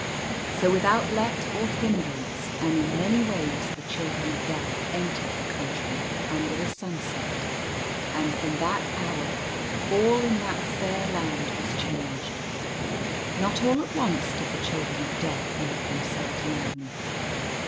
So without let or hindrance, and in many ways, the Children of Death entered the country Under the Sun set ; and from that hour all in that fair Land was changed. Not all at once did the Children of Death make them selves known.